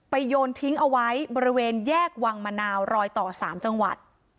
โยนทิ้งเอาไว้บริเวณแยกวังมะนาวรอยต่อ๓จังหวัด